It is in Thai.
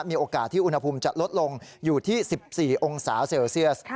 มีโอกาสที่อุณหภูมิจะลดลงอยู่ที่๑๔องศาเซลเซียส